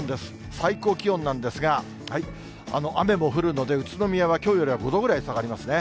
最高気温なんですが、雨も降るので、宇都宮はきょうよりは５度ぐらい下がりますね。